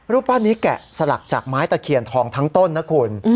รูปปั้นนี้แกะสลักจากไม้ตะเคียนทองทั้งต้นนะคุณ